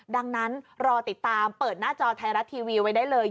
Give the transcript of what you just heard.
ดังนั้นรอติดตามเปิดหน้าจอไทยรัฐทีวีไว้ได้เลย